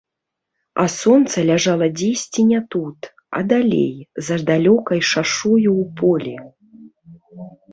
А сонца ляжала дзесьці не тут, а далей, за далёкай шашою ў полі.